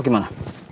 pak mau gimana